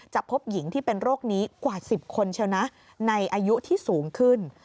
พบหญิงที่เป็นโรคนี้กว่า๑๐คนเชียวนะในอายุที่สูงขึ้น